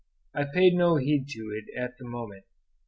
I paid no heed to it at the moment.